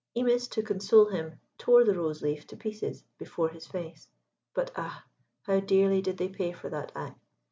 Imis, to console him, tore the rose leaf to pieces before his face; but ah! how dearly did they pay for that act!